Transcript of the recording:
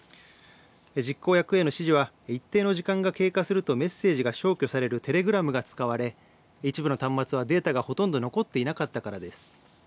実行役への指示は一定の時間が経過するとメッセージが消去されるテレグラムが使われ一部の端末はデータがほとんど残っていなかったからです。